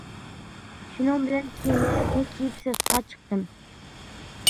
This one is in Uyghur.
شۇنىڭ بىلەن كىيىملىرىمنى كىيىپ سىرتقا چىقتىم.